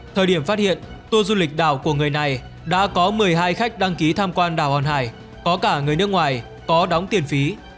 thời điểm phát hiện tour du lịch đảo của người này đã có một mươi hai khách đăng ký tham quan đảo hòn hải có cả người nước ngoài có đóng tiền phí